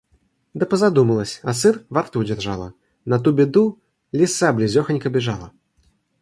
Да позадумалась, а сыр во рту держала. На ту беду Лиса близёхонько бежала;